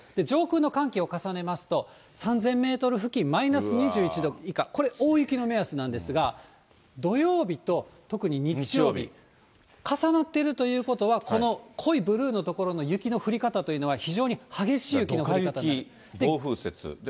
上空の寒気を重ねますと、３０００メートル付近、マイナス２１度以下、これ、大雪の目安なんですが、土曜日と、特に日曜日、重なってるということは、この濃いブルーの所の雪の降り方というのは、どか雪、暴風雪。